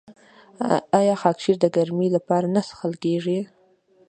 آیا خاکشیر د ګرمۍ لپاره نه څښل کیږي؟